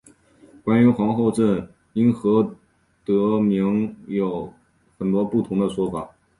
关于皇后镇因何得名有很多不同的说法。